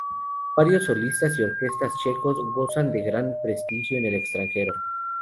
Varios solistas y orquestas checos gozan de gran prestigio en el extranjero.